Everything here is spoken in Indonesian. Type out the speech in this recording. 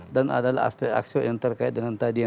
dan adalah aspek akses yang terkait dengan kepentingan